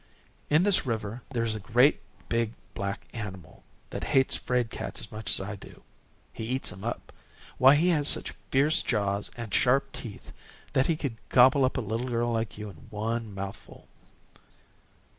In this river there is a great, big, black animal that hates fraid cats as much as I do. He eats them up. Why, he has such fierce jaws and sharp teeth that he could gobble up a little girl like you in one mouthful."